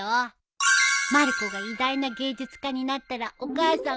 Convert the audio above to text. まる子が偉大な芸術家になったらお母さん大金持ちだよ。